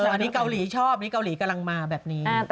อันนี้เกาหลีชอบนี้เกาหลีกำลังมาแบบนี้